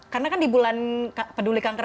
karena kan di bulan peduli kanker